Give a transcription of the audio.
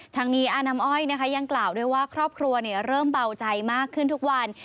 ทางนี้อาน้ำอ้อยยังกล่าวด้วยว่าครอบครัวเริ่มเบาใจมากขึ้นทุกวัน